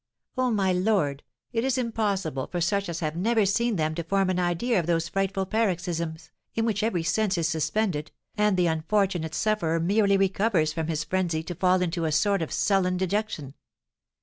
Oh, my lord, it is impossible for such as have never seen them to form an idea of those frightful paroxysms, in which every sense is suspended, and the unfortunate sufferer merely recovers from his frenzy to fall into a sort of sullen dejection!